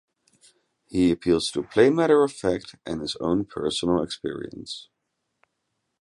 He appeals to plain matter of fact and his own personal experience.